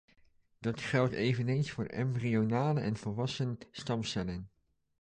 Dat geldt eveneens voor embryonale en volwassen stamcellen.